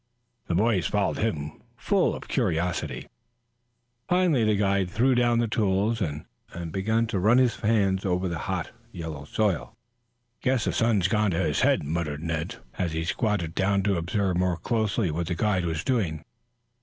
The boys followed him full of curiosity. Finally the guide threw down the tools and began to run his hands over the hot, yellow soil. "Guess the sun's gone to his head," muttered Ned, as he squatted down to observe more closely what the guide was doing.